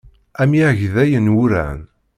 Amyag d ayenwuran.